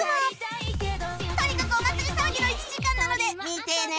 とにかくお祭り騒ぎの１時間なので見てね！